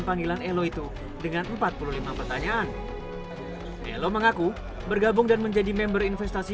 panggilan elo itu dengan empat puluh lima pertanyaan elo mengaku bergabung dan menjadi member investasi